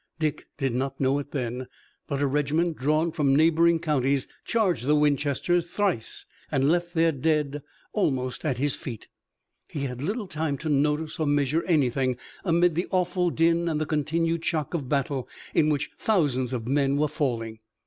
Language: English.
Dick did not know it then, but a regiment drawn from neighboring counties charged the Winchesters thrice and left their dead almost at his feet. He had little time to notice or measure anything amid the awful din and the continued shock of battle in which thousands of men were falling.